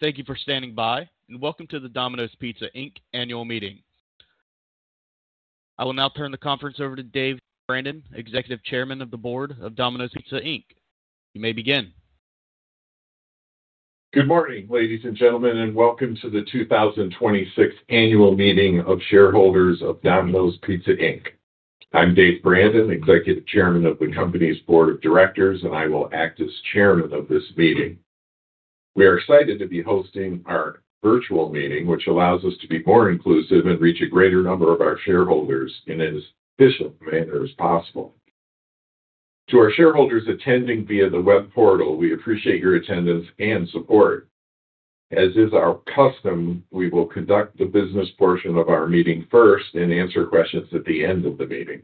Thank you for standing by, and welcome to the Domino's Pizza, Inc. annual meeting. I will now turn the conference over to Dave Brandon, Executive Chairman of the Board of Domino's Pizza, Inc. You may begin. Good morning, ladies and gentlemen, and welcome to the 2026 Annual Meeting of Shareholders of Domino's Pizza, Inc. I'm Dave Brandon, Executive Chairman of the company's Board of Directors, and I will act as chairman of this meeting. We are excited to be hosting our virtual meeting, which allows us to be more inclusive and reach a greater number of our shareholders in as efficient a manner as possible. To our shareholders attending via the web portal, we appreciate your attendance and support. As is our custom, we will conduct the business portion of our meeting first and answer questions at the end of the meeting.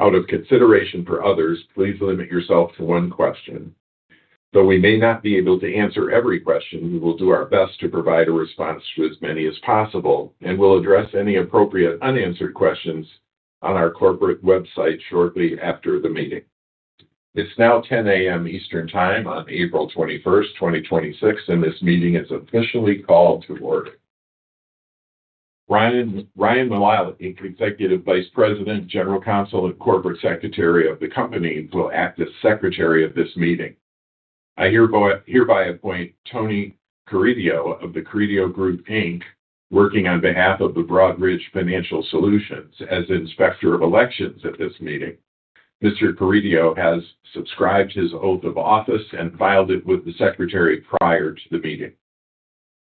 Out of consideration for others, please limit yourself to one question. Though we may not be able to answer every question, we will do our best to provide a response to as many as possible and will address any appropriate unanswered questions on our corporate website shortly after the meeting. It's now 10:00 A.M. Eastern Time on April 21st, 2026, and this meeting is officially called to order. Ryan Mulally, Executive Vice President, General Counsel, and Corporate Secretary of the company will act as Secretary of this meeting. I hereby appoint Tony Carideo of The Carideo Group Inc, working on behalf of the Broadridge Financial Solutions as Inspector of Elections at this meeting. Mr. Carideo has subscribed his oath of office and filed it with the Secretary prior to the meeting.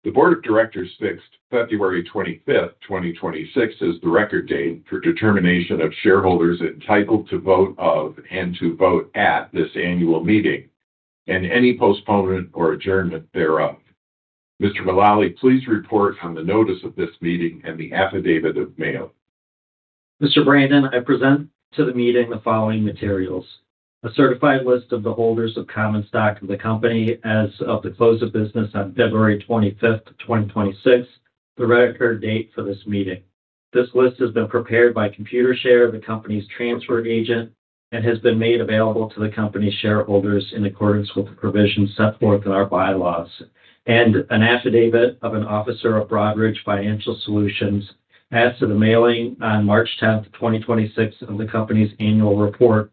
The Board of Directors fixed February 25th, 2026, as the record date for determination of shareholders entitled to vote of and to vote at this annual meeting and any postponement or adjournment thereof. Mr. Mulally, please report on the notice of this meeting and the affidavit of mailing. Mr. Brandon, I present to the meeting the following materials. A certified list of the holders of common stock of the company as of the close of business on February 25th, 2026, the record date for this meeting. This list has been prepared by Computershare, the company's transfer agent, and has been made available to the company's shareholders in accordance with the provisions set forth in our bylaws, and an affidavit of an officer of Broadridge Financial Solutions as to the mailing on March 10th, 2026, of the company's annual report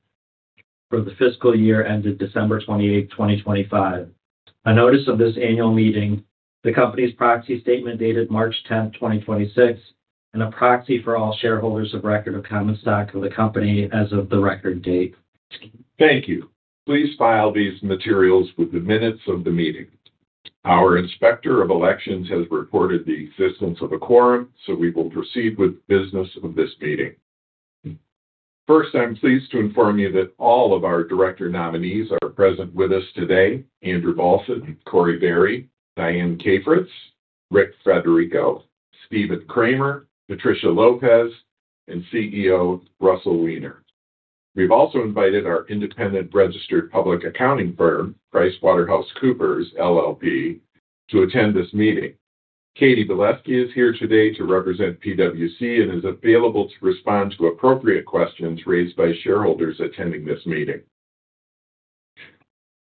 for the fiscal year ended December 28th, 2025. A notice of this annual meeting, the company's proxy statement dated March 10th, 2026, and a proxy for all shareholders of record of common stock of the company as of the record date. Thank you. Please file these materials with the minutes of the meeting. Our Inspector of Elections has reported the existence of a quorum, so we will proceed with business of this meeting. First, I'm pleased to inform you that all of our director nominees are present with us today, Andrew Balson, Corie Barry, Diane Cafritz, Richard Federico, Stephen Kramer, Patricia Lopez, and CEO Russell Weiner. We've also invited our independent registered public accounting firm, PricewaterhouseCoopers LLP, to attend this meeting. Katie Balesky is here today to represent PwC and is available to respond to appropriate questions raised by shareholders attending this meeting.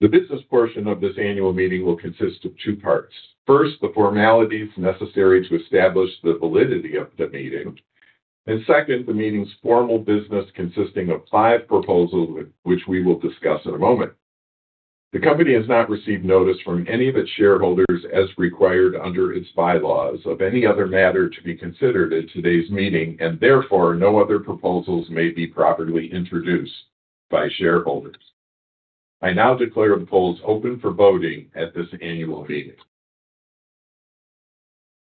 The business portion of this annual meeting will consist of two parts. First, the formalities necessary to establish the validity of the meeting, and second, the meeting's formal business consisting of five proposals, which we will discuss in a moment. The company has not received notice from any of its shareholders as required under its bylaws of any other matter to be considered at today's meeting, and therefore, no other proposals may be properly introduced by shareholders. I now declare the polls open for voting at this annual meeting.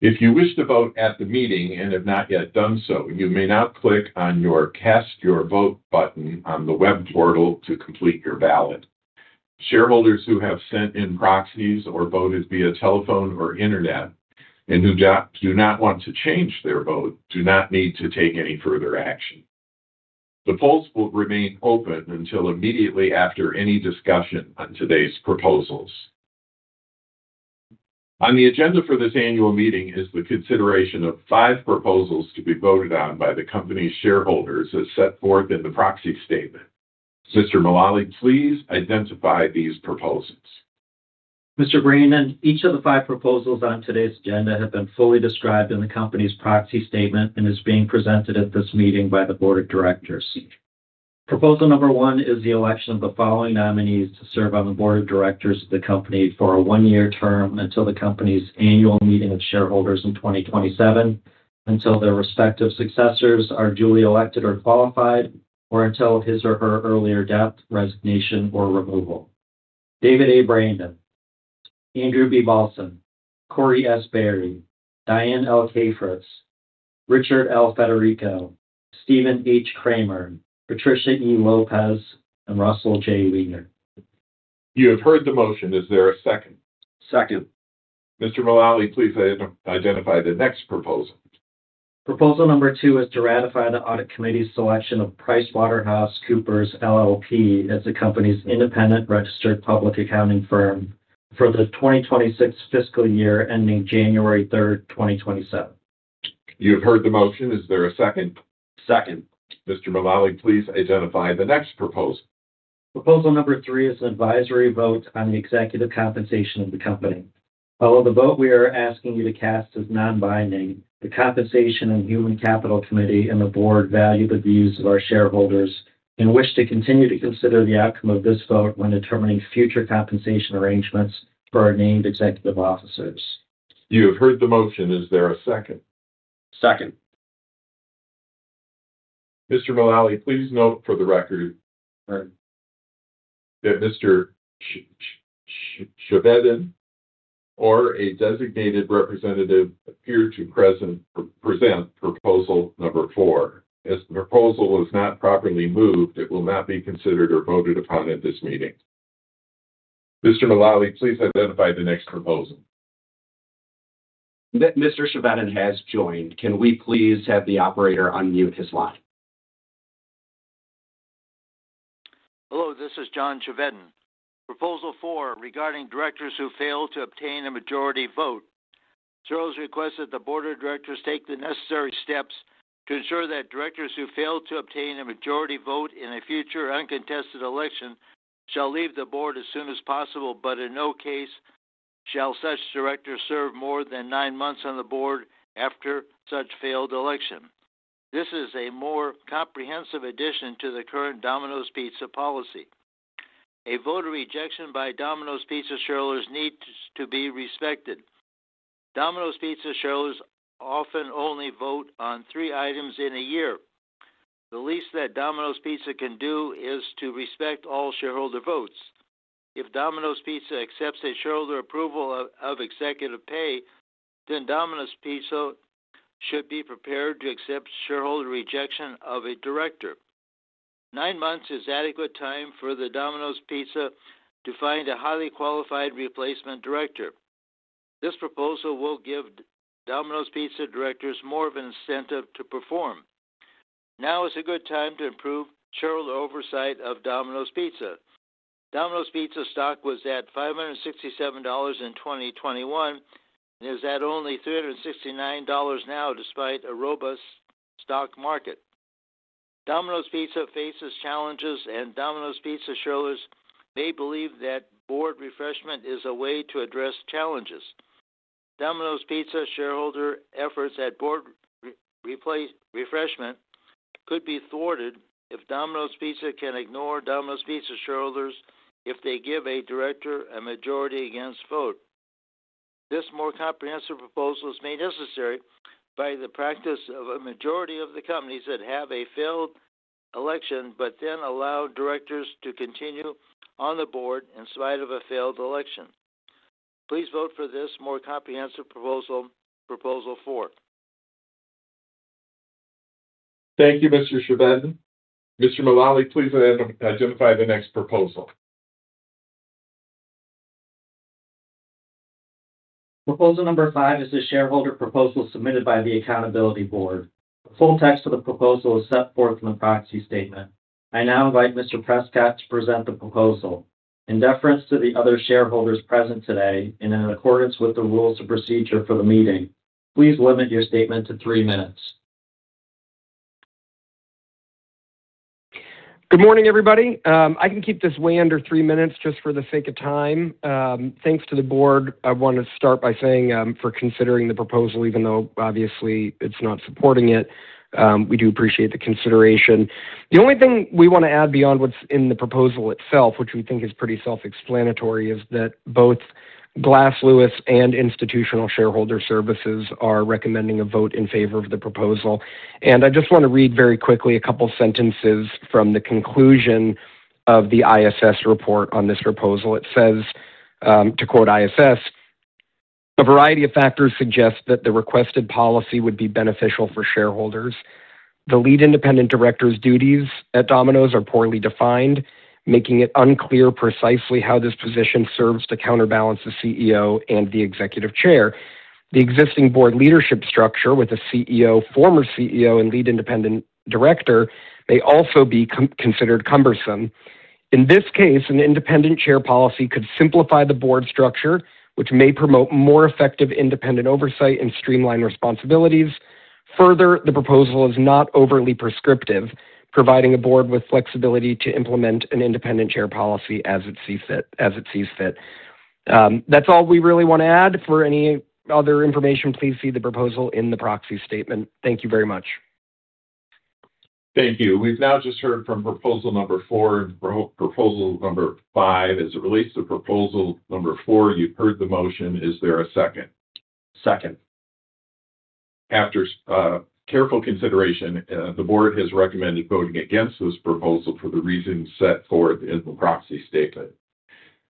If you wish to vote at the meeting and have not yet done so, you may now click on your Cast Your Vote button on the web portal to complete your ballot. Shareholders who have sent in proxies or voted via telephone or internet and who do not want to change their vote do not need to take any further action. The polls will remain open until immediately after any discussion on today's proposals. On the agenda for this annual meeting is the consideration of five proposals to be voted on by the company's shareholders as set forth in the proxy statement. Mr. Mulally, please identify these proposals. Mr. Brandon, each of the five proposals on today's agenda have been fully described in the company's proxy statement and is being presented at this meeting by the board of directors. Proposal number one is the election of the following nominees to serve on the board of directors of the company for a one-year term until the company's annual meeting of shareholders in 2027, until their respective successors are duly elected or qualified, or until his or her earlier death, resignation, or removal. David A. Brandon, Andrew B. Balson, Corie S. Barry, Diane L. Cafritz, Richard L. Federico, Stephen H. Kramer, Patricia E. Lopez, and Russell J. Weiner. You have heard the motion. Is there a second? Second. Mr. Mulally, please identify the next proposal. Proposal number two is to ratify the audit committee's selection of PricewaterhouseCoopers LLP as the company's independent registered public accounting firm for the 2026 fiscal year ending January 3rd, 2027. You have heard the motion. Is there a second? Second. Mr. Mulally, please identify the next proposal. Proposal number three is an advisory vote on the executive compensation of the company. Although the vote we are asking you to cast is non-binding, the Compensation and Human Capital Committee and the board value the views of our shareholders and wish to continue to consider the outcome of this vote when determining future compensation arrangements for our named executive officers. You have heard the motion. Is there a second? Second. Mr. Mulally, please note for the record. All right.... that Mr. Chevedden or a designated representative appear to present proposal number four. As the proposal was not properly moved, it will not be considered or voted upon at this meeting. Mr. Mulally, please identify the next proposal. Mr. Chevedden has joined. Can we please have the operator unmute his line? Hello, this is John Chevedden. Proposal four, regarding directors who fail to obtain a majority vote. Shareholders request that the board of directors take the necessary steps to ensure that directors who fail to obtain a majority vote in a future uncontested election shall leave the board as soon as possible, but in no case shall such director serve more than nine months on the board after such failed election. This is a more comprehensive addition to the current Domino's Pizza policy. A voter rejection by Domino's Pizza shareholders needs to be respected. Domino's Pizza shareholders often only vote on three items in a year. The least that Domino's Pizza can do is to respect all shareholder votes. If Domino's Pizza accepts a shareholder approval of executive pay, then Domino's Pizza should be prepared to accept shareholder rejection of a director. Nine months is adequate time for Domino's Pizza to find a highly qualified replacement director. This proposal will give Domino's Pizza directors more of an incentive to perform. Now is a good time to improve shareholder oversight of Domino's Pizza. Domino's Pizza stock was at $567 in 2021 and is at only $369 now, despite a robust stock market. Domino's Pizza faces challenges, and Domino's Pizza shareholders may believe that board refreshment is a way to address challenges. Domino's Pizza shareholder efforts at board refreshment could be thwarted if Domino's Pizza can ignore Domino's Pizza shareholders if they give a director a majority against vote. This more comprehensive proposal is made necessary by the practice of a majority of the companies that have a failed election but then allow directors to continue on the board in spite of a failed election. Please vote for this more comprehensive proposal four. Thank you, Mr. Chevedden. Mr. Mulally, please identify the next proposal. Proposal number five is a shareholder proposal submitted by The Accountability Board. The full text of the proposal is set forth in the proxy statement. I now invite Mr. Prescott to present the proposal. In deference to the other shareholders present today and in accordance with the rules of procedure for the meeting, please limit your statement to three minutes. Good morning, everybody. I can keep this way under three minutes just for the sake of time. Thanks to the board, I want to start by saying, for considering the proposal, even though obviously it's not supporting it. We do appreciate the consideration. The only thing we want to add beyond what's in the proposal itself, which we think is pretty self-explanatory, is that both Glass Lewis and Institutional Shareholder Services are recommending a vote in favor of the proposal. I just want to read very quickly a couple sentences from the conclusion of the ISS report on this proposal. It says, to quote ISS, "A variety of factors suggest that the requested policy would be beneficial for shareholders. The lead independent director's duties at Domino's are poorly defined, making it unclear precisely how this position serves to counterbalance the CEO and the executive chair. The existing board leadership structure with the CEO, former CEO, and lead independent director may also be considered cumbersome. In this case, an independent chair policy could simplify the board structure, which may promote more effective independent oversight and streamline responsibilities. Further, the proposal is not overly prescriptive, providing a board with flexibility to implement an independent chair policy as it sees fit." That's all we really want to add. For any other information, please see the proposal in the proxy statement. Thank you very much. Thank you. We've now just heard from proposal number four and proposal number five. As it relates to proposal number four, you've heard the motion. Is there a second? Second. After careful consideration, the Board has recommended voting against this proposal for the reasons set forth in the proxy statement.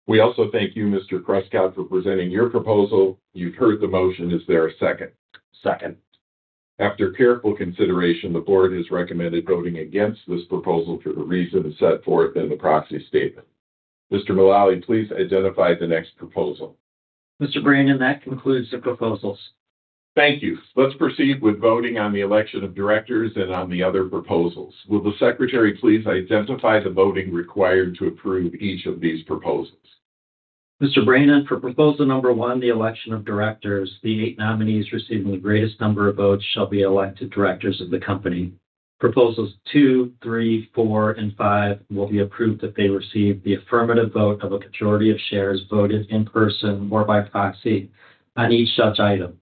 We also thank you, Mr. Prescott, for presenting your proposal. You've heard the motion. Is there a second? Second. After careful consideration, the board has recommended voting against this proposal for the reasons set forth in the proxy statement. Mr. Mulally, please identify the next proposal. Mr. Brandon, that concludes the proposals. Thank you. Let's proceed with voting on the election of directors and on the other proposals. Will the secretary please identify the voting required to approve each of these proposals? Mr. Brandon, for proposal number one, the election of directors, the eight nominees receiving the greatest number of votes shall be elected directors of the company. Proposals two, three, four, and five will be approved if they receive the affirmative vote of a majority of shares voted in person or by proxy on each such item.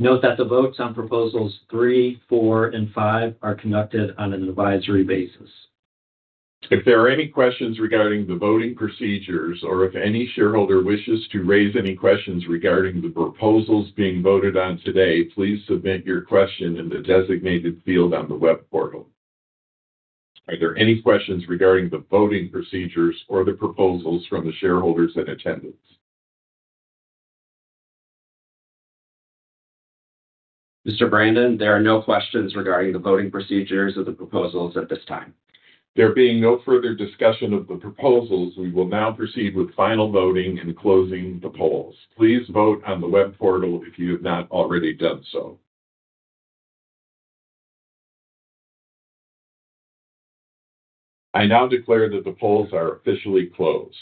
Note that the votes on proposals three, four, and five are conducted on an advisory basis. If there are any questions regarding the voting procedures, or if any shareholder wishes to raise any questions regarding the proposals being voted on today, please submit your question in the designated field on the web portal. Are there any questions regarding the voting procedures or the proposals from the shareholders in attendance? Mr. Brandon, there are no questions regarding the voting procedures or the proposals at this time. There being no further discussion of the proposals, we will now proceed with final voting and closing the polls. Please vote on the web portal if you have not already done so. I now declare that the polls are officially closed.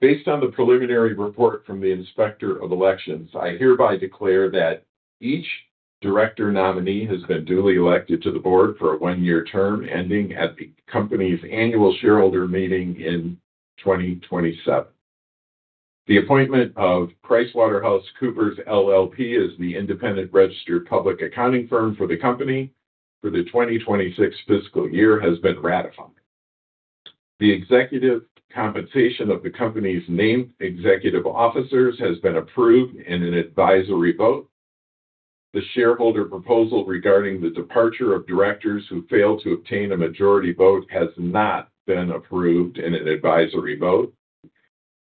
Based on the preliminary report from the Inspector of Elections, I hereby declare that each director nominee has been duly elected to the board for a one-year term ending at the company's annual shareholder meeting in 2027. The appointment of PricewaterhouseCoopers LLP as the independent registered public accounting firm for the company for the 2026 fiscal year has been ratified. The executive compensation of the company's named executive officers has been approved in an advisory vote. The shareholder proposal regarding the departure of directors who failed to obtain a majority vote has not been approved in an advisory vote,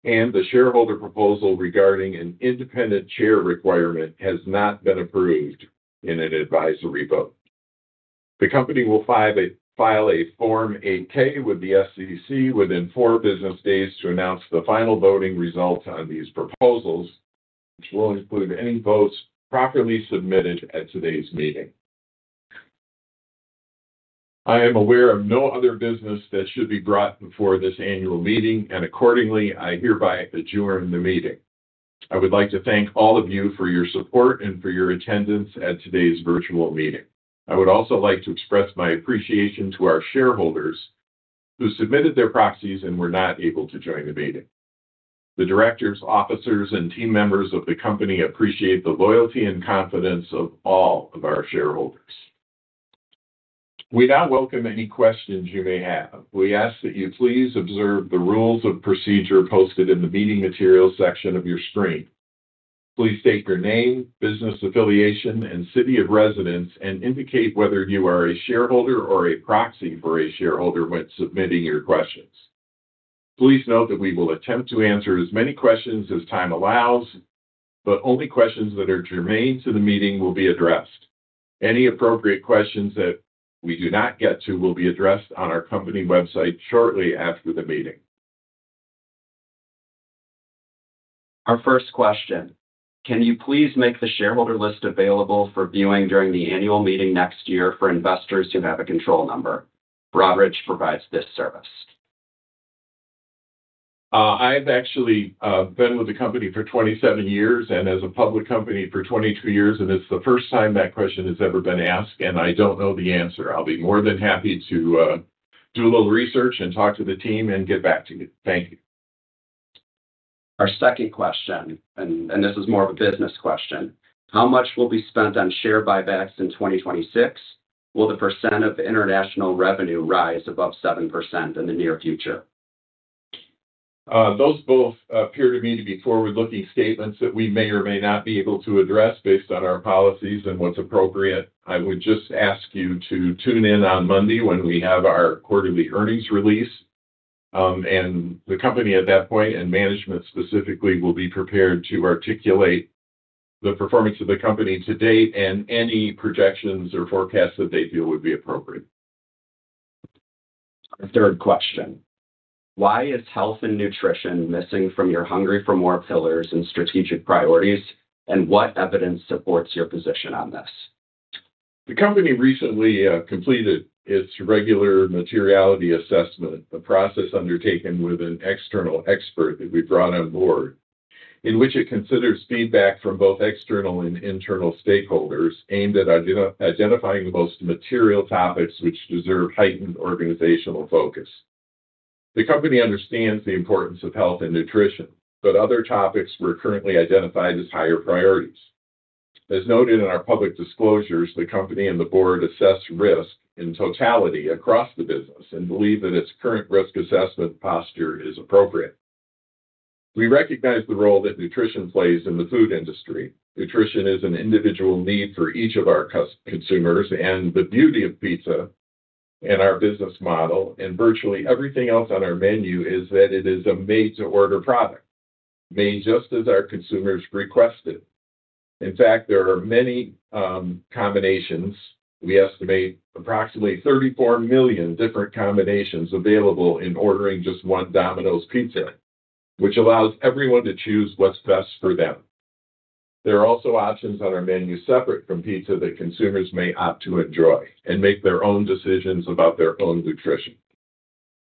and the shareholder proposal regarding an independent chair requirement has not been approved in an advisory vote. The company will file a Form 8-K with the SEC within four business days to announce the final voting results on these proposals, which will include any votes properly submitted at today's meeting. I am aware of no other business that should be brought before this annual meeting, and accordingly, I hereby adjourn the meeting. I would like to thank all of you for your support and for your attendance at today's virtual meeting. I would also like to express my appreciation to our shareholders who submitted their proxies and were not able to join the meeting. The directors, officers, and team members of the company appreciate the loyalty and confidence of all of our shareholders. We now welcome any questions you may have. We ask that you please observe the rules of procedure posted in the meeting materials section of your screen. Please state your name, business affiliation, and city of residence and indicate whether you are a shareholder or a proxy for a shareholder when submitting your questions. Please note that we will attempt to answer as many questions as time allows, but only questions that are germane to the meeting will be addressed. Any appropriate questions that we do not get to will be addressed on our company website shortly after the meeting. Our first question, can you please make the shareholder list available for viewing during the annual meeting next year for investors who have a control number? Broadridge provides this service. I've actually been with the company for 27 years and as a public company for 22 years, and it's the first time that question has ever been asked, and I don't know the answer. I'll be more than happy to do a little research and talk to the team and get back to you. Thank you. Our second question, and this is more of a business question. How much will be spent on share buybacks in 2026? Will the percent of international revenue rise above 7% in the near future? Those both appear to me to be forward-looking statements that we may or may not be able to address based on our policies and what's appropriate. I would just ask you to tune in on Monday when we have our quarterly earnings release, and the company at that point, and management specifically, will be prepared to articulate the performance of the company to date and any projections or forecasts that they feel would be appropriate. Third question, why is health and nutrition missing from your Hungry for MORE pillars and strategic priorities, and what evidence supports your position on this? The company recently completed its regular materiality assessment, a process undertaken with an external expert that we brought on board, in which it considers feedback from both external and internal stakeholders aimed at identifying the most material topics which deserve heightened organizational focus. The company understands the importance of health and nutrition, but other topics were currently identified as higher priorities. As noted in our public disclosures, the company and the board assess risk in totality across the business and believe that its current risk assessment posture is appropriate. We recognize the role that nutrition plays in the food industry. Nutrition is an individual need for each of our consumers and the beauty of pizza and our business model and virtually everything else on our menu is that it is a made-to-order product, made just as our consumers request it. In fact, there are many combinations. We estimate approximately 34 million different combinations available in ordering just one Domino's Pizza, which allows everyone to choose what's best for them. There are also options on our menu separate from pizza that consumers may opt to enjoy and make their own decisions about their own nutrition.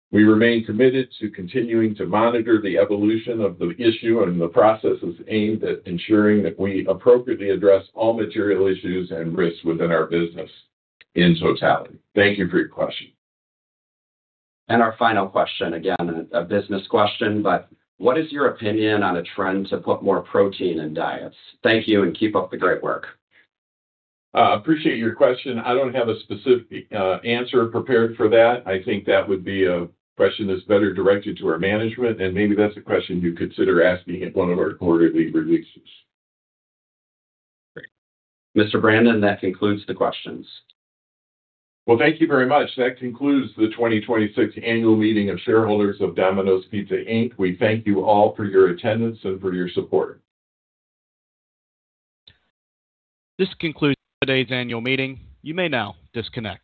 We remain committed to continuing to monitor the evolution of the issue and the processes aimed at ensuring that we appropriately address all material issues and risks within our business in totality. Thank you for your question. Our final question, again, a business question. What is your opinion on a trend to put more protein in diets? Thank you, and keep up the great work. I appreciate your question. I don't have a specific answer prepared for that. I think that would be a question that's better directed to our management, and maybe that's a question you consider asking at one of our quarterly releases. Mr. Brandon, that concludes the questions. Well, thank you very much. That concludes the 2026 annual meeting of shareholders of Domino's Pizza, Inc. We thank you all for your attendance and for your support. This concludes today's annual meeting. You may now disconnect.